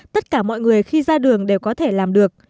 tất cả mọi người khi ra đường đều có thể làm được